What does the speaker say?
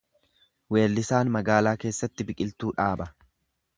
Weellisaan magaalaa keessatti biqiltuu dhaaba.